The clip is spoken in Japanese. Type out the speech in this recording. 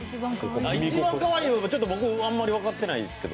いちばんかわいい、僕あんまり分かってないんですけど。